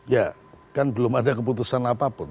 ya kan belum ada keputusan apapun